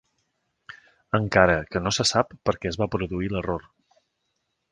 Encara que no se sap perquè es va produir l'error.